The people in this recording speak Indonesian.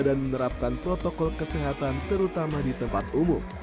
dan menerapkan protokol kesehatan terutama di tempat umum